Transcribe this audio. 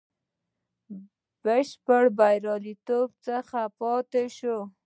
بشپړ بریالیتوب څخه پاته شو.